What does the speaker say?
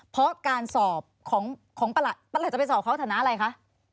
เพราะการสอบของประหลัดจะไปสอบเขาฐานะอะไรคะ